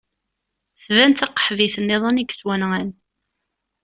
Tban d taqaḥbit niḍen i yettwanɣan.